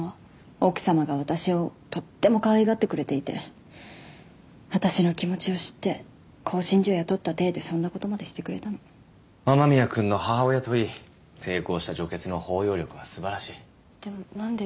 奥さまが私をとってもかわいがってくれていて私の気持ちを知って興信所雇った体でそんなことまでしてくれたの雨宮君の母親といい成功した女傑の包容力はすばらしいでもなんで？